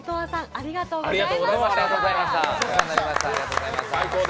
ありがとうございます。